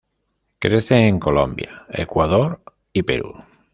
Crece en Colombia, Ecuador y Perú.